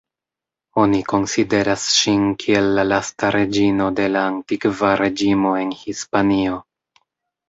Oni konsideras ŝin kiel la lasta reĝino de la Antikva Reĝimo en Hispanio.